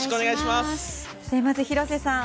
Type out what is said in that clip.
まず、広瀬さん